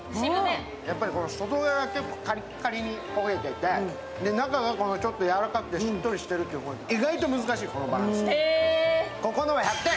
やっぱり外側が結構カリカリに焦げてて、中がちょっと柔らかくてしっとりとしている、意外と難しい、このバランス。